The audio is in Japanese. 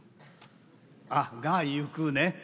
あっ「がゆく」ね！